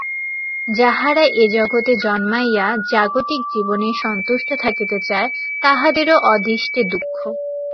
যাহারা এই জগতে জন্মাইয়া জাগতিক জীবনেই সন্তুষ্ট থাকিতে চায়, তাহাদেরও অদৃষ্টে দুঃখ।